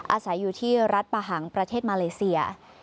อาศัยอยู่ที่รัฐปะหังประเทศมาเลเซีย